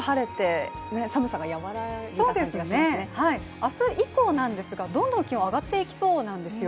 明日以降なんですがどんどん気温が上がっていきそうなんですよ。